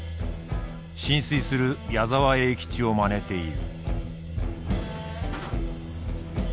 心酔する矢沢永吉をまねている。